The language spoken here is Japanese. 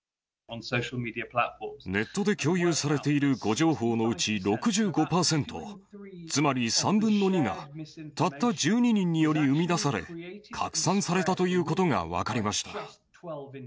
ネットで共有されている誤情報のうち６５％、つまり３分の２が、たった１２人により生み出され、拡散されたということが分かりました。